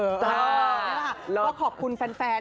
ก็ขอบคุณแฟน